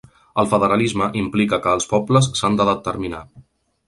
El federalisme implica que els pobles s’han de determinar.